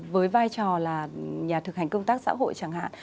với vai trò là nhà thực hành công tác xã hội chẳng hạn